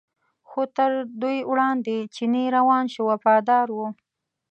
خو تر دوی وړاندې چینی روان شو وفاداره و.